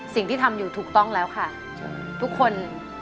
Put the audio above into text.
สิ่งที่ทำอยู่ถูกต้องแล้วค่ะทุกคน